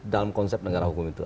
dalam konsep negara hukum itu